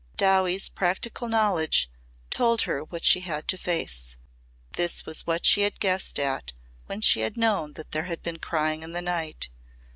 Dowie's practical knowledge told her what she had to face. This was what she had guessed at when she had known that there had been crying in the night.